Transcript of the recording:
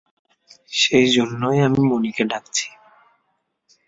সেইজন্যই আমি মণিকে ডাকছি।